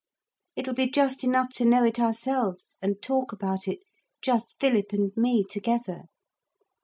It'll be just enough to know it ourselves and talk about it, just Philip and me together.'